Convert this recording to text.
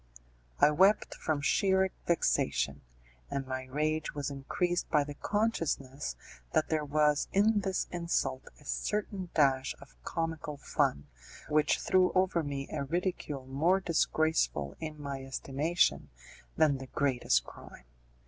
I wept from sheer vexation; and my rage was increased by the consciousness that there was in this insult a certain dash of comical fun which threw over me a ridicule more disgraceful in my estimation than the greatest crime.